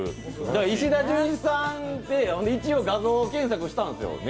石田純一さんで一応画像検索してたんですよ。